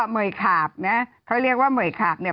เหยขาบนะเขาเรียกว่าเหยขาบเนี่ย